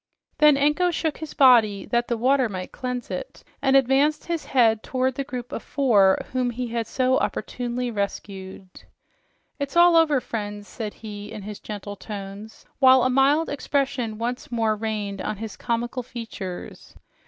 Then Anko shook his body that the water might cleanse it, and advanced his head toward the group of four whom he had so opportunely rescued. "It is all over, friends," said he in his gentle tones, while a mild expression once more reigned on his comical features.